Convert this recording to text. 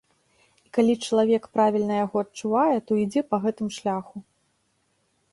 І калі чалавек правільна яго адчувае, то ідзе па гэтым шляху.